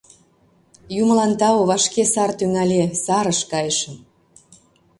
Юмылан тау, вашке сар тӱҥале, сарыш кайышым.